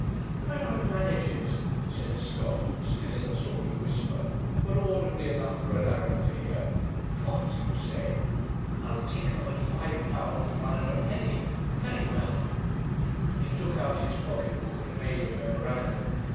'Well, I'll manage it,' said Scott, still in a sort of whisper, but audibly enough for Alaric to hear. 'Forty, you say? I'll take them at £5 1s. 1d. very well;' and he took out his pocket book and made a memorandum.